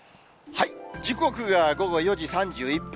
時刻が午後４時３１分。